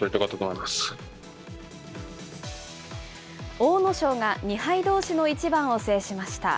阿武咲が２敗どうしの一番を制しました。